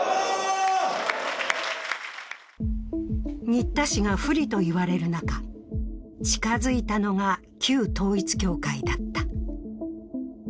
新田氏が不利と言われる中、近づいたのが旧統一教会だった。